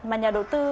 mà nhà đầu tư